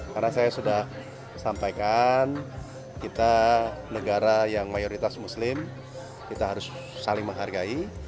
karena saya sudah sampaikan kita negara yang mayoritas muslim kita harus saling menghargai